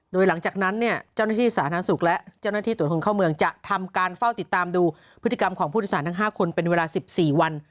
โดยหลังจากนั้นเนี่ยเจ้าหน้าที่สาธารณสุขและเจ้าหน้าที่ตรวจคนเข้าเมืองจะทำการเฝ้าติดตามดูพฤติกรรมของผู้โดยสารทั้ง๕คนเป็นเวลา๑๔วัน